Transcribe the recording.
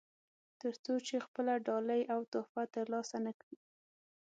تر څو چې خپله ډالۍ او تحفه ترلاسه نه کړي.